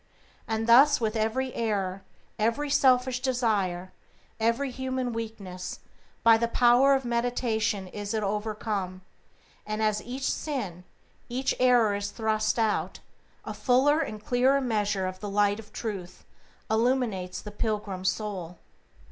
And thus with every error, every selfish desire, every human weakness; by the power of meditation is it overcome, and as each sin, each error is thrust out, a fuller and clearer measure of the Light of Truth illumines the pilgrim soul.